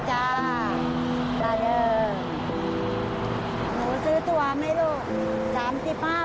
หนูซื้อตัวไหมลูก